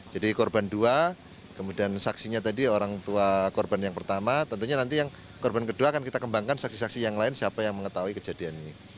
jadi korban dua kemudian saksinya tadi orang tua korban yang pertama tentunya nanti yang korban kedua akan kita kembangkan saksi saksi yang lain siapa yang mengetahui kejadian ini